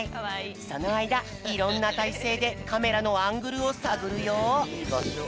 そのあいだいろんなたいせいでカメラのアングルをさぐるよ。